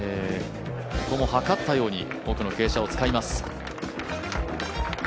ここもはかったように、奥の傾斜を使います。